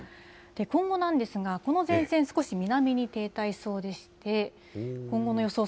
今後なんですが、この前線、少し南に停滞しそうでして、今後の予想